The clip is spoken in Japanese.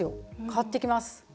変わっていきます。